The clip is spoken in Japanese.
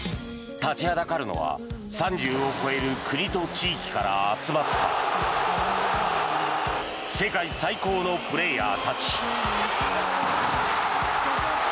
立ちはだかるのは３０を超える国と地域から集まった世界最高のプレーヤーたち。